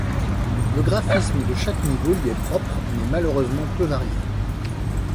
Le graphisme de chaque niveau lui est propre mais malheureusement peu varié.